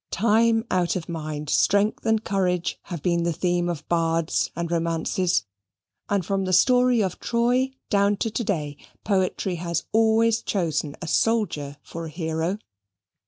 Time out of mind strength and courage have been the theme of bards and romances; and from the story of Troy down to to day, poetry has always chosen a soldier for a hero.